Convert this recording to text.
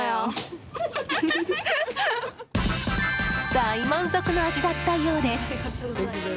大満足の味だったようです。